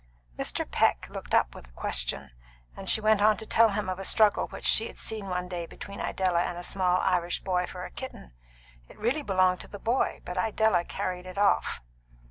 Mr. Peck looked up with question, and she went on to tell him of a struggle which she had seen one day between Idella and a small Irish boy for a kitten; it really belonged to the boy, but Idella carried it off.